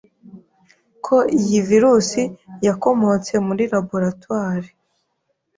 ko iyi virusi yakomotse muri laboratoire